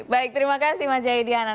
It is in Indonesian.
baik terima kasih mas jahid dianan